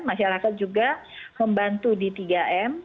masyarakat juga membantu di tiga m